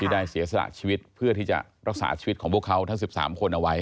ได้เสียสละชีวิตเพื่อที่จะรักษาชีวิตของพวกเขาทั้ง๑๓คนเอาไว้